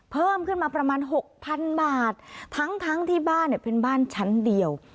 เพิ่มขึ้นมาประมาณหกพันบาททั้งทั้งที่บ้านเนี่ยเป็นบ้านชั้นเดียว